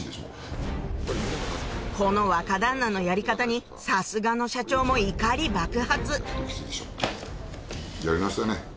この若旦那のやり方にさすがの社長も怒り爆発やり直しだね。